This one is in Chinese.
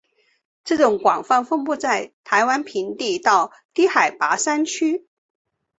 本种广泛分布在台湾平地到低海拔山区。